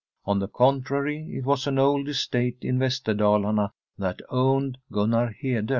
On the contrary, it was an old estate in Ves terdalarne that owned Gunnar Hede.